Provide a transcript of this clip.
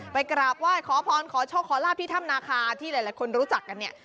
กราบไหว้ขอพรขอโชคขอลาบที่ถ้ำนาคาที่หลายคนรู้จักกันเนี่ย